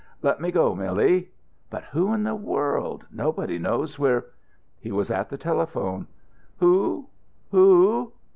"Let me go, Milly." "But who in the world! Nobody knows we're " He was at the telephone. "Who? Who?